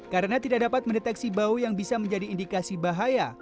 karena tidak dapat mendeteksi bau yang bisa menjadi indikasi bahaya